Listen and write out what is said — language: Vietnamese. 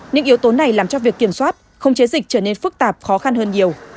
những yếu tố này làm cho việc kiểm soát không chế dịch trở nên phức tạp khó khăn hơn nhiều